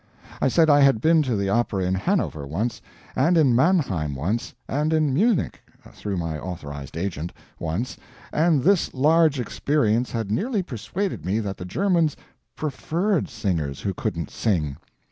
I said I had been to the opera in Hanover, once, and in Mannheim once, and in Munich (through my authorized agent) once, and this large experience had nearly persuaded me that the Germans PREFERRED singers who couldn't sing.